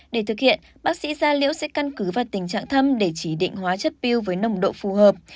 để thực hiện bác sĩ da liễu sẽ căn cứ vào tình trạng thâm để chỉ định hóa chất biêu với nồng độ phù hợp